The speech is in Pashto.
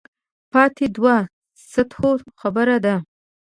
پاتې دوو سطحو خبره ده.